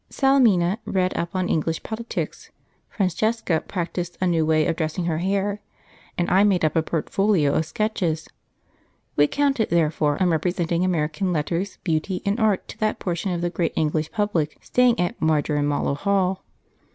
Salemina read up on English politics; Francesca practised a new way of dressing her hair; and I made up a portfolio of sketches. We counted, therefore, on representing American letters, beauty, and art to that portion of the great English public staying at Marjorimallow Hall.